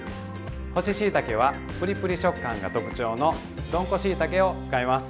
干ししいたけはプリプリ食感が特徴のどんこしいたけを使います。